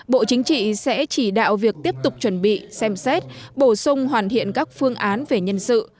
bộ chính trị sẽ chỉ đạo việc tiếp tục chuẩn bị xem xét bổ sung hoàn thiện các phương án về nhân sự